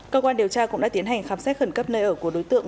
cơ quan điều tra cũng đã tiến hành khám xét khẩn cấp nơi ở của đối tượng